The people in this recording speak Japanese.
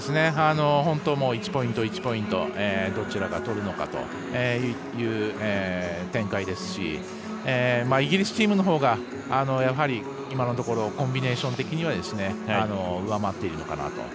１ポイント１ポイントどちらが取るのかという展開ですしイギリスチームのほうがやはり、今のところコンビネーション的には上回っているのかなと。